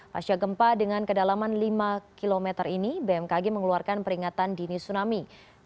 pasca gempa dengan kedalaman lima km ini bmkg mengeluarkan peringatan dini tsunami